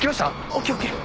ＯＫＯＫ。